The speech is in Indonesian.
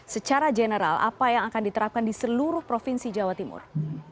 secara general apa yang akan diterapkan di seluruh provinsi jawa timur